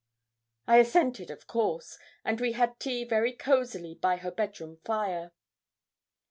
I assented, of course, and we had tea very cosily by her bedroom fire.